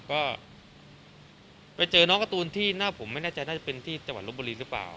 ก็ไปเจอน้องการ์ตูนที่หน้าผมไม่แน่ใจน่าจะเป็นที่จังหวัดลบบุรีหรือเปล่า